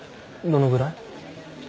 どのぐらい？